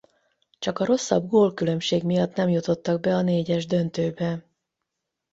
Csak a rosszabb gólkülönbség miatt nem jutottak be a négyes döntőbe.